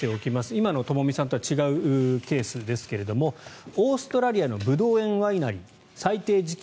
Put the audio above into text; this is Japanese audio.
今のトモミさんとは違うケースですがオーストラリアのブドウ園ワイナリー最低時給